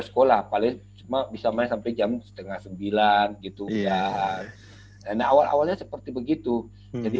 sekolah paling cuma bisa main sampai jam setengah sembilan gitu ya nah awal awalnya seperti begitu jadi